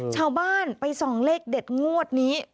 ชาวบ้านไปส่องเลขเด็ดงวดนี้